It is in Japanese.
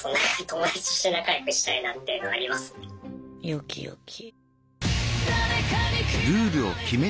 よきよき。